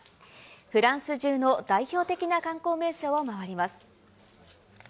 フランス中の代表的な観光名所を回ります。